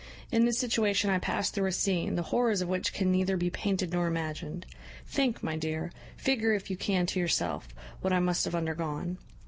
In this situation I past through a scene, the horrors of which can neither be painted nor imagined. Think, my dear, figure, if you can, to yourself, what I must have undergone.